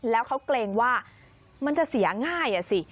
แล้วเขาเกรงว่ามันจะเสียง่ายอ่ะสิ